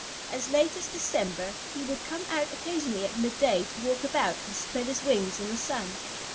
As late as December he would come out occasionally at midday to walk about and spread his wings in the sun.